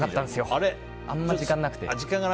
あんま時間なくて。